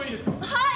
はい！